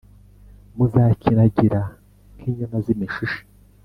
muzakinagira nk inyana z imishishe